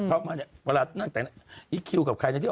กำลังเข้าไปดู